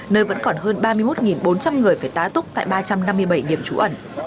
nơi vẫn còn hơn ba mươi một bốn trăm linh người phải tá túc tại ba trăm năm mươi bảy điểm trú ẩn